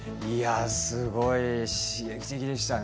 すごい刺激的ですね。